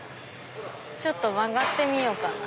ちょっと曲がってみようかな。